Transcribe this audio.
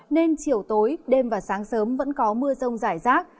nên chiều tối đêm và sáng sớm vẫn có mưa rông rải rác